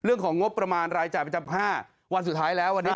เรื่องของงบประมาณรายจ่ายประจำ๕วันสุดท้ายแล้ววันนี้